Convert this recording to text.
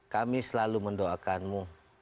kami selalu mendoakanmu